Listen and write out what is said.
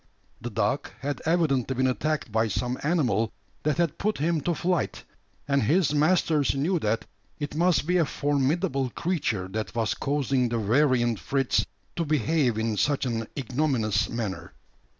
The dog had evidently been attacked by some animal that had put him to flight; and his masters knew that it must be a formidable creature that was causing the variant Fritz to behave in such an ignominious manner.